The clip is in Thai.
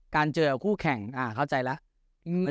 การเจอกับกู้แข่งอ่าเข้าใจแล้ว